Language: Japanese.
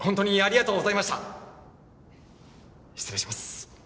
失礼します。